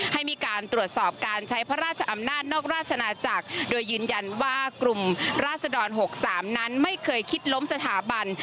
ให้มีการตรวจสอบการใช้พระราชอำนาจนอกราชนาจักรโดยยืนยันว่ากลุ่มราศดร๖๓นั้นไม่เคยคิดล้มสถาบัน